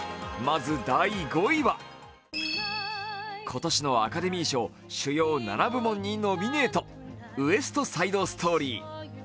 まず第５位は、今年のアカデミー賞主要７部門にノミネート「ウエスト・サイド・ストーリー」。